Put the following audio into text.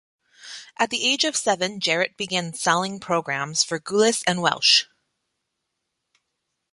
At the age of seven, Jarrett began selling programs for Gulas and Welch.